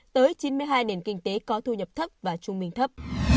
tới chín mươi hai nền kinh tế có thu nhập thấp và trung bình thấp